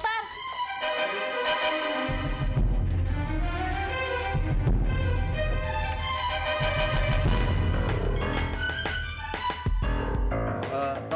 tapi sama siap prisoners